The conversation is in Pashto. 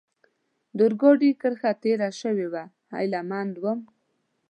د اورګاډي کرښه تېره شوې وه، هیله مند ووم.